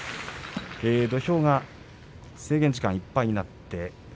土俵が制限時間いっぱいになりました。